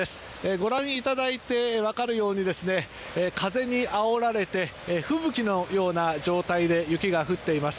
ご覧いただいて分かるように風にあおられて吹雪のような状態で雪が降っています。